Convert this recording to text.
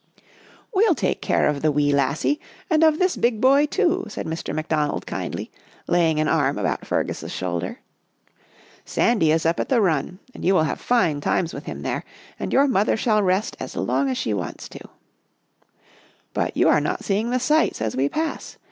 " We'll take care of the wee lassie and of this big boy, too," said Mr. McDonald kindly, laying an arm about Fergus' shoulder. " Sandy is up at the run and you will have fine times with him there, and your mother shall rest as long as she wants to. 11 But you are not seeing the sights as we pass.